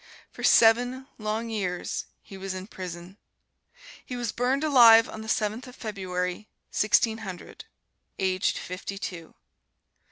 For seven long years he was in prison. He was burned alive on the Seventh of February, Sixteen Hundred, aged fifty two.